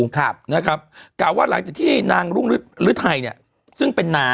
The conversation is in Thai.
กลับว่าหลังจากที่นางรุ่งรึทัยเนี่ยซึ่งเป็นน้า